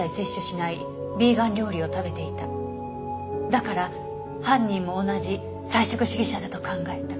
だから犯人も同じ菜食主義者だと考えた。